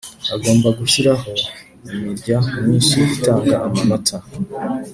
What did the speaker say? agomba gushyiraho imirya myinshi itanga amanota